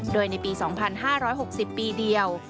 โดยในปี๒๕๖๐ปีเดียว